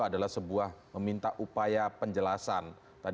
adalah sebuah meminta upaya penjelasan